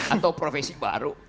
atau profesi baru